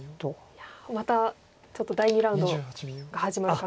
いやまたちょっと第２ラウンドが始まる感じ。